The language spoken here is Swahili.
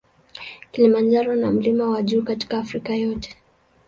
Kilimanjaro na mlima wa juu katika Afrika yote.